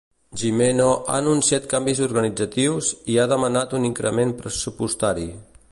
Gimeno ha anunciat canvis organitzatius i ha demanat un increment pressupostari.